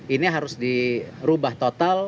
ini harus dirubah total